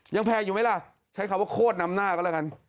แพงอยู่ไหมล่ะใช้คำว่าโคตรนำหน้าก็แล้วกัน